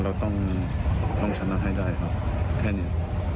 เราต้องชนะให้ได้ครับแค่นี้